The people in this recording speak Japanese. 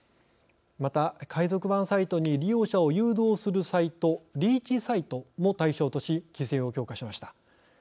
また、海賊版サイトに利用者を誘導するサイトリーチサイトも対象とし規制を強化しました。